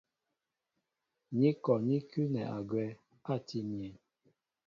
Ni kɔ ní kʉ́nɛ agwɛ́ átii myéŋ.